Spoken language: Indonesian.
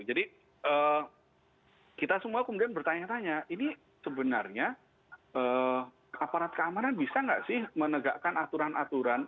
jadi kita semua kemudian bertanya tanya ini sebenarnya aparat keamanan bisa nggak sih menegakkan aturan aturan